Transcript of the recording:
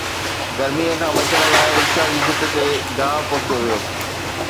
گرميءَ کان بچڻ لاءِ رڪشا جي ڇت تي گاهه پوکيو ويو